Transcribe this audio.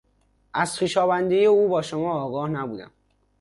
از خویشاوندی او با شما آگاه نبودم.